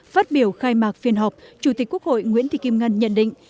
phát biểu khai mạc phiên họp chủ tịch quốc hội nguyễn thị kim ngân nhận định